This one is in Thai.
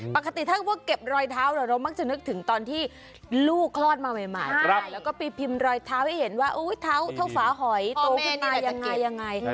ปกติถ้าว่าเก็บรอยเท้าเรามักจะนึกถึงตอนที่ลูกคลอดมาใหม่แล้วก็ไปพิมพ์รอยเท้าให้เห็นว่าเท้าเท่าฝาหอยโตขึ้นมายังไง